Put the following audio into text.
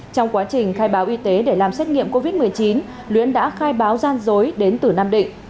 trong quá trình khai báo y tế để làm xét nghiệm covid một mươi chín luyến đã khai báo gian dối đến từ nam định